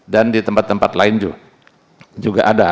dan di tempat tempat lain juga ada